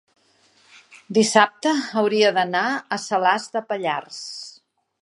dissabte hauria d'anar a Salàs de Pallars.